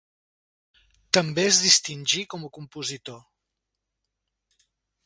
També es distingí com a compositor.